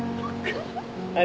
はい。